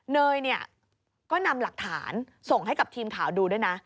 เนยเนี่ยก็นำหลักฐานส่งให้กับทีมข่าวดูด้วยนะ